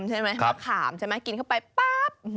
ใช่ไหมมะขามใช่ไหมกินเข้าไปปั๊บ